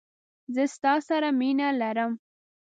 زه ستا سره مینه لرم